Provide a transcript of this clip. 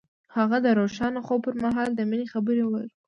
هغه د روښانه خوب پر مهال د مینې خبرې وکړې.